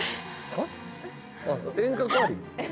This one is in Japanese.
えっ遠隔あり？